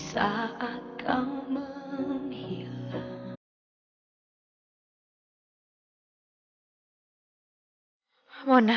saya akan tetap menangkapmu